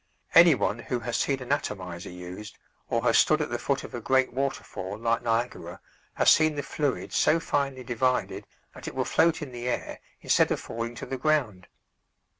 Anyone who has seen an atomizer used or has stood at the foot of a great waterfall, like Niagara, has seen the fluid so finely divided that it will float in the air, instead of falling to the ground.